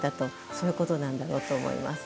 そういうことなんだろうと思います。